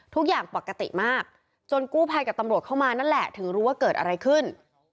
ทุกอย่างปกติมากจนกู้ภัยกับตำรวจเข้ามานั่นแหละถึงรู้ว่าเกิดอะไรขึ้น